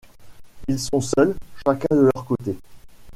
Ils sont seuls, chacun de leur côté.